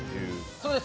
そうです。